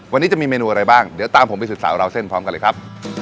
วันนี้จะมีเมนูอะไรบ้างเดี๋ยวตามผมไปสืบสาวราวเส้นพร้อมกันเลยครับ